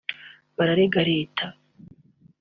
bararega Leta